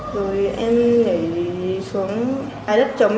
rồi em nhảy xuống đáy đất trống